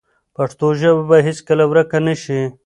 پښتو ژبه به هیڅکله ورکه نه شي.